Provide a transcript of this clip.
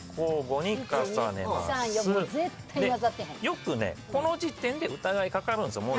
よくこの時点で疑い掛かるんですよ。